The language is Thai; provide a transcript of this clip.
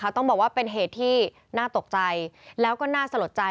ต้องบอกว่าเป็นเหตุที่น่าตกใจแล้วก็น่าสลดใจ